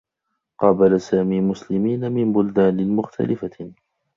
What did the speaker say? قابل سامي مسلمين من بلدان مختلفة.